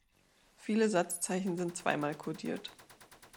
Viele Satzzeichen sind zweimal kodiert.